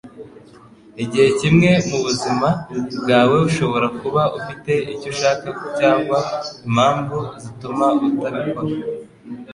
Igihe kimwe mu buzima bwawe ushobora kuba ufite icyo ushaka cyangwa impamvu zituma utabikora.”